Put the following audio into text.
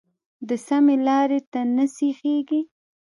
د سمې لارې ته نه سیخېږي.